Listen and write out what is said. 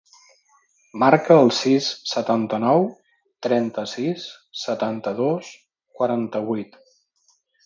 Marca el sis, setanta-nou, trenta-sis, setanta-dos, quaranta-vuit.